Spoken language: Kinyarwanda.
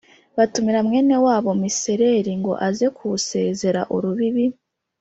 Batumira mwene wabo Misereri ngo aze kuwusezera urubibi